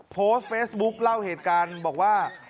โพสต์เฟซบุ๊คเล่าเหตุการณ์บอกว่า